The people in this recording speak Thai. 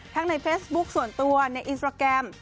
ในเฟซบุ๊คส่วนตัวในอินสตราแกรม